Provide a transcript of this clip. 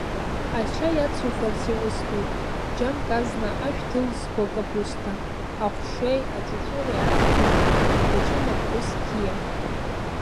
Ача иацуфарц иусҭоит, џьамк азна ашәҭ ылызго акапусҭа, ахәшеи аҵәыҵәыреи аҵаҵаны, даҿын аԥҳәыс қьиа.